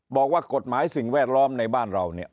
บอกว่ากฎหมายสิ่งแวดล้อมในบ้านเราเนี่ย